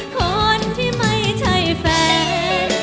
คนที่ไม่ใช่แฟน